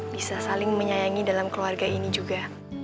bisa saling menyayangi dalam keluarga ini juga